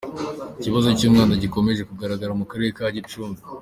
Ikibazo cy’umwanda gikomeje kugaragra mu Karere ka Gicumbi.